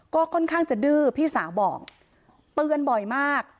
ก็ค่อนข้างจะดื้อพี่สาวบอกเตือนบ่อยมาก